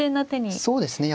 そうですね。